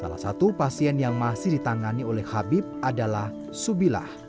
salah satu pasien yang masih ditangani oleh habib adalah subilah